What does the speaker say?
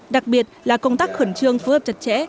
đặc biệt là công tác khẩn trương phối hợp chặt chẽ